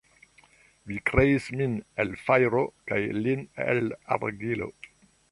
Vi kreis min el fajro kaj lin el argilo.